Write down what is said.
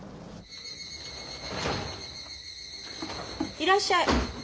いらっしゃい。